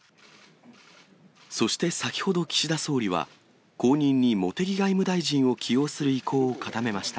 そして先ほど岸田総理は、後任に茂木外務大臣を起用する意向を固めました。